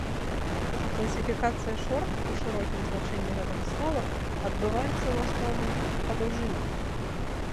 Класіфікацыя шорт у шырокім значэнні гэтага слова адбываецца, у асноўным, па даўжыні.